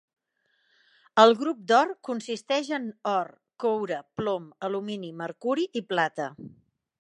El grup d'or consisteix en or, coure, plom, alumini, mercuri i plata.